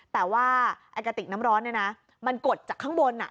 แต่ว่าไอ้กระติกน้ำร้อนเนี่ยนะมันกดจากข้างบน